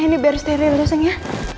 ini beri steril ya sayang ya